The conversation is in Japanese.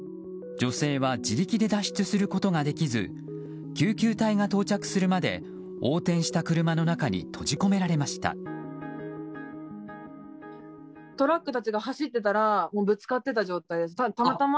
女性は自力で脱出することができず救急隊が到着するまで横転した車の中に閉じ込められました。